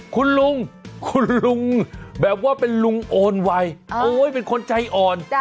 คุณลุงคุณลุงแบบว่าเป็นลุงโอนไวโอ้ยเป็นคนใจอ่อน